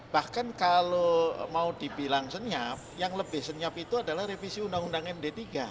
bahkan kalau mau dibilang senyap yang lebih senyap itu adalah revisi undang undang md tiga